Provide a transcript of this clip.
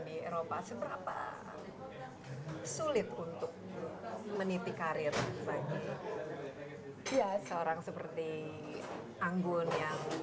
di eropa seberapa sulit untuk meniti karir bagi seorang seperti anggun yang